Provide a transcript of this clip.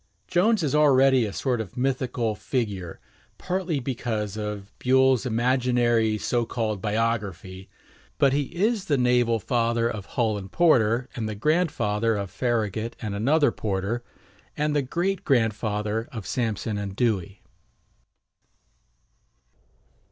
Jones is already a sort of mythical figure, partly because of Buell's imaginary so called biography; but he is the naval father of Hull and Porter, and the grandfather of Farragut and another Porter, and the great grandfather of Sampson and Dewey.